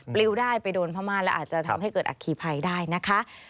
ลิวได้ไปโดนพม่าแล้วอาจจะทำให้เกิดอัคคีภัยได้นะคะ